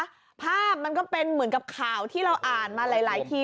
ภาพมันก็เป็นเหมือนกับข่าวที่เราอ่านมาหลายที